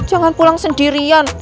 jangan pulang sendirian